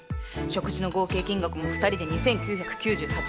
食事の合計金額も２人で２９９８円